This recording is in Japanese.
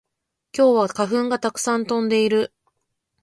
今日は花粉がたくさん飛んでいる